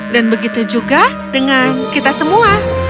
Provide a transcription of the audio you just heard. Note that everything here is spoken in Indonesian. dan begitu juga dengan kita semua